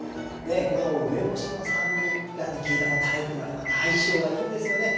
この梅干しの酸味がきいたたれってまた相性がいいんですよね。